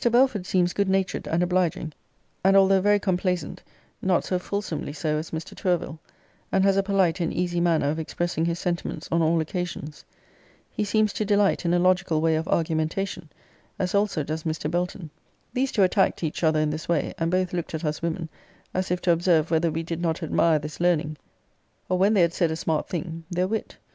Belford seems good natured and obliging; and although very complaisant, not so fulsomely so as Mr. Tourville; and has a polite and easy manner of expressing his sentiments on all occasions. He seems to delight in a logical way of argumentation, as also does Mr. Belton. These two attacked each other in this way; and both looked at us women, as if to observe whether we did not admire this learning, or when they had said a smart thing, their wit.